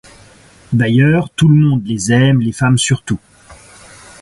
D'ailleurs, tout le monde les aime ; les femmes surtout.